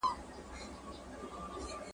کارخانې جوړې کړئ.